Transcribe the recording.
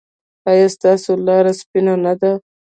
ایا ستاسو لاره سپینه نه ده؟